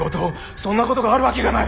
そんなことがあるわけがない。